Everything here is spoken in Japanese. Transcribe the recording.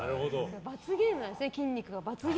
罰ゲームなんですね、筋肉は。